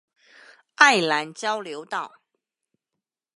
愛蘭交流道